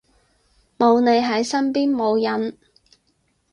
冇你喺身邊冇癮